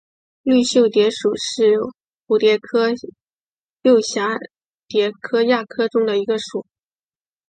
绿袖蝶属是蛱蝶科釉蛱蝶亚科中的一个属。